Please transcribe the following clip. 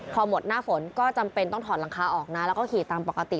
พอหมดหน้าฝนก็จำเป็นต้องถอดหลังคาออกนะแล้วก็ขี่ตามปกติ